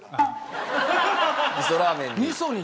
味噌ラーメンに？